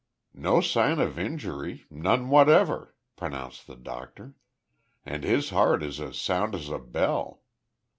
"No sign of injury, none whatever," pronounced the doctor, "and his heart is as sound as a bell.